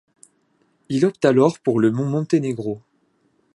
Il opte alors pour le Monténégro.